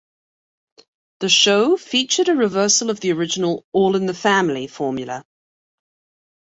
The show featured a reversal of the original "All in the Family" formula.